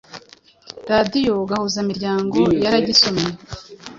radiyo Gahuzamiryango yaragisomye,